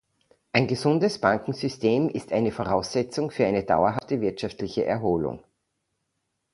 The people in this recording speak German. Ein gesundes Bankensystem ist eine Voraussetzung für eine dauerhafte wirtschaftliche Erholung.